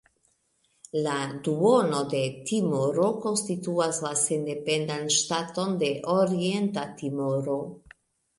La duono de Timoro konstituas la sendependan ŝtaton de Orienta Timoro.